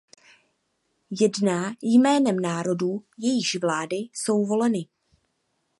Jedná jménem národů, jejichž vlády jsou voleny.